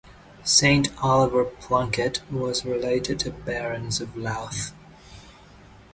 Saint Oliver Plunkett was related to Barons of Louth.